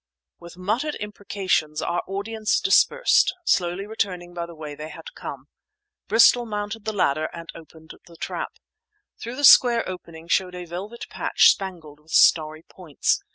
With muttered imprecations our audience dispersed, slowly returning by the way they had come. Bristol mounted the ladder and opened the trap. Through the square opening showed a velvet patch spangled with starry points.